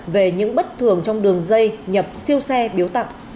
về những bất thường trong đường dây nhập siêu xe biếu tặng